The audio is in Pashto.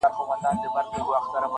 • عشق مي ژبه را ګونګۍ کړه,